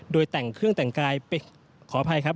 โดยแต่งเครื่องแต่งกายขออภัยครับ